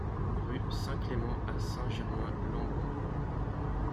Rue Saint-Clement à Saint-Germain-Lembron